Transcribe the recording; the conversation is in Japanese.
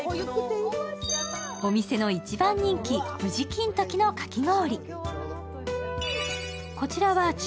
お店の一番人気宇治金時のかき氷。